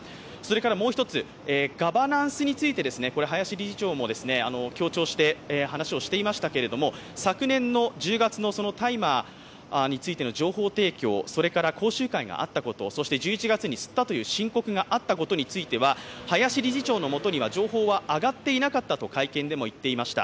もう１つ、ガバナンスについて林理事長も強調して話をしていましたけれども、話をしていましたけど、昨年１０月の大麻についての情報提供、それから講習会があったこと、それから１１月に吸ったという申告があったことについては林理事長のもとには情報は上がっていなかったと会見でも言っていました。